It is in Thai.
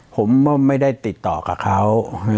ผมไม่ได้ติดต่อกับเขา